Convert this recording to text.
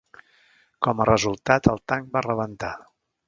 Com a resultat, el tanc va rebentar.